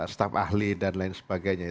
staf ahli dan lain sebagainya